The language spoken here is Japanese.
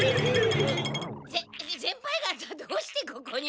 せ先輩がたどうしてここに？